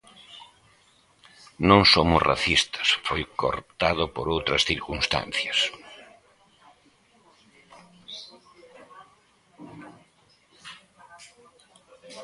Non somos racistas, foi cortado por outras circunstancias.